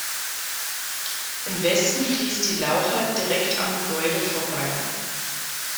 Im Westen fließt die Lauchert direkt am Gebäude vorbei.